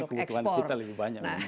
kebutuhan kita lebih banyak